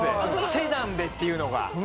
セダンでっていうのが。